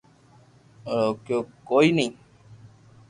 روڪيو ڪوئي ني